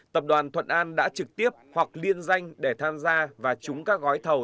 tập đoàn thuận an đã trực tiếp hoặc liên danh để tham gia và trúng các gói thầu